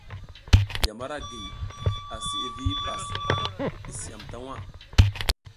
Yam ara gi, asi, hi vi hipas i si yama ta waʼa.